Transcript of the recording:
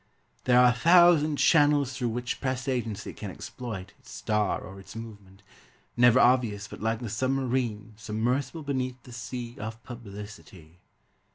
There are a thousand channels Through which press agency can exploit Its star or its movement Never obvious but like the submarine Submersible beneath the sea Of publicity.